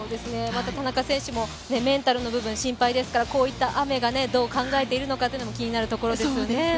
田中選手もメンタルの部分心配ですからこういった雨がどう考えているのかというのも気になるところですよね。